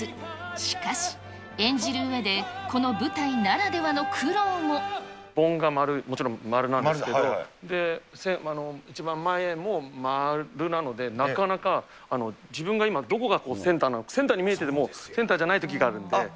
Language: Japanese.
しかし、演じるうえで、盆が丸、もちろん丸なんですけど、一番前も丸なので、なかなか、自分が今、どこがセンターなのか、センターに見えててもセンターじゃないときがあるんで。